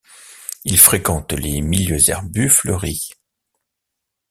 Il fréquente les milieux herbus fleuris.